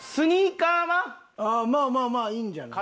まあまあまあいいんじゃない。